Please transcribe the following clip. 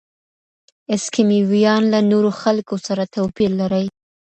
اسکیمویان له نورو خلکو سره توپیر لري.